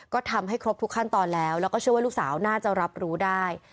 ก็ทำให้ครบทุกขั้นตอนแล้วแล้วก็เชื่อว่าลูกสาวน่าจะรับรู้ได้